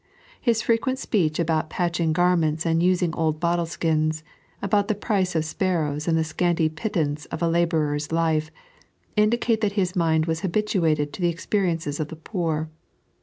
His frequent speech about patching garments and using old bottleekins, about the price of sparrows, and the scanty pittance of a labourer's life, indicate that His mind was habituated to the experiences of the poor.